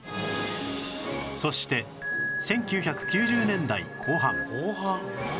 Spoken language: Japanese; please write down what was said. そして１９９０年代後半